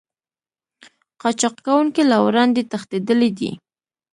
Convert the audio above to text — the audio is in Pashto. قاچاق کوونکي له وړاندې تښتېدلي دي